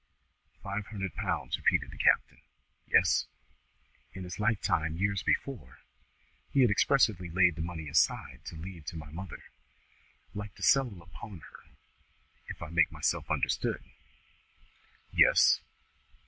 "Five hundred pounds," repeated the captain. "Yes?" "In his lifetime, years before, he had expressly laid the money aside to leave to my mother, like to settle upon her, if I make myself understood." "Yes?"